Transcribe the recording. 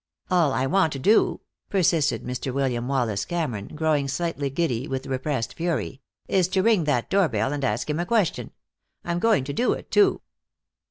"All I want to do," persisted Mr. William Wallace Cameron, growing slightly giddy with repressed fury, "is to ring that doorbell and ask him a question. I'm going to do it, too."